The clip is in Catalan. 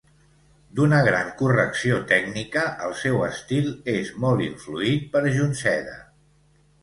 D'una gran correcció tècnica, el seu estil és molt influït per Junceda.